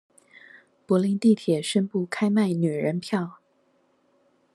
柏林地鐵宣布開賣女人票